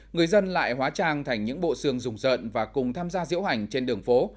người dân lại hóa trang thành những bộ xương rùng rợn và cùng tham gia diễu hành trên đường phố